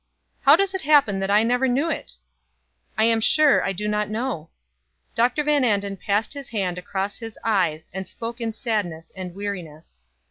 "How does it happen that I never knew it?" "I am sure I do not know." Dr. Van Anden passed his hand across his eyes, and spoke in sadness and weariness.